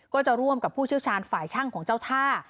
ก็จะร่วมกับผู้เชี่ยวชาญฝ่ายช่างของเจ้าท่า